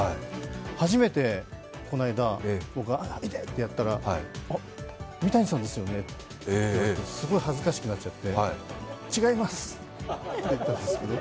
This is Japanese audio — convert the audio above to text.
初めて、この間、痛ってやったら「三谷さんですよね」って言われてすごい恥ずかしくなっちゃって「違います」って言ったんですけど。